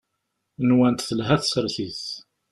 Nwant telha tsertit.